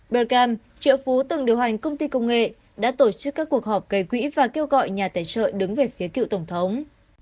bercam triệu phú từng điều hành công ty công nghệ đã tổ chức các cuộc họp gây quỹ và kêu gọi nhà tài trợ đứng về phía cựu tổng thống